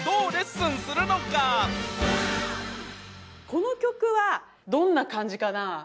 この曲はどんな感じかな。